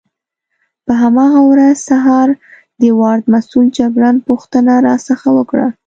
په هماغه ورځ سهار د وارډ مسؤل جګړن پوښتنه راڅخه وکړه.